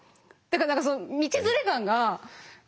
だから何かその道連れ感が。